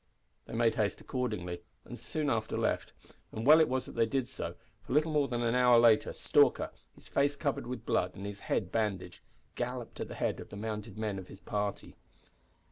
They made haste accordingly, and soon after left; and well was it that they did so, for, little more than an hour later, Stalker his face covered with blood and his head bandaged galloped up at the head of the mounted men of his party.